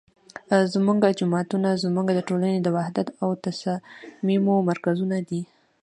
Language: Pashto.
زمونږ جوماتونه زمونږ د ټولنې د وحدت او تصاميمو مرکزونه دي